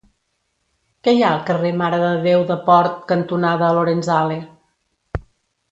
Què hi ha al carrer Mare de Déu de Port cantonada Lorenzale?